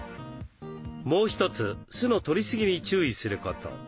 もう一つ酢のとりすぎに注意すること。